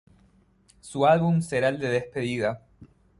Su álbum será el de despedida.